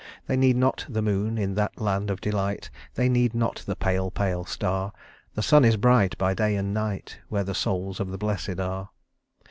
They need not the moon in that land of delight They need not the pale, pale star; The sun is bright, by day and night, Where the souls of the blessed are.